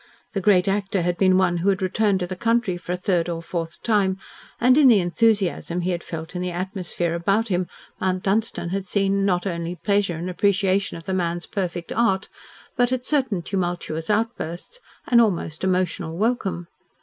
The great actor had been one who had returned to the country for a third or fourth time, and, in the enthusiasm he had felt in the atmosphere about him, Mount Dunstan had seen not only pleasure and appreciation of the man's perfect art, but at certain tumultuous outbursts an almost emotional welcome.